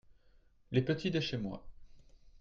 Les petits de chez moi.